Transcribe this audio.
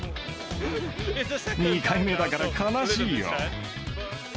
２回目だから悲しいよ。